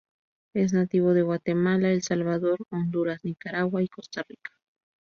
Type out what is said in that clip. Es nativo de Guatemala, El Salvador, Honduras, Nicaragua y Costa Rica.